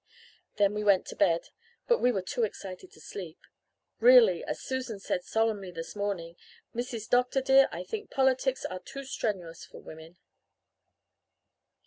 "Then we went to bed, but were too excited to sleep. Really, as Susan said solemnly this morning, 'Mrs. Dr. dear, I think politics are too strenuous for women.'"